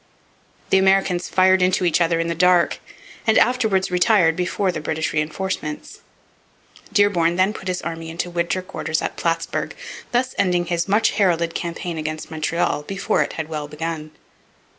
The Americans fired into each other in the dark, and afterwards retired before the British reinforcements. Dearborn then put his army into winter quarters at Plattsburg, thus ending his much heralded campaign against Montreal before it had well begun.